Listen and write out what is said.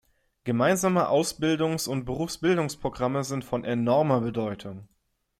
Gemeinsame Ausbildungs- und Berufsbildungsprogramme sind von enormer Bedeutung.